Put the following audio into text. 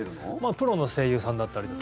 プロの声優さんだったりとか。